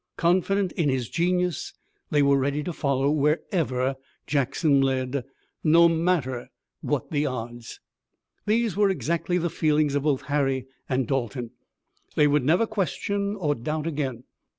Confident in his genius they were ready to follow wherever Jackson led, no matter what the odds. These were exactly the feelings of both Harry and Dalton. They would never question or doubt again.